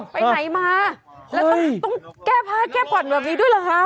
ไปไหนมาแล้วต้องแก้ผ้าแก้ผ่อนแบบนี้ด้วยเหรอคะ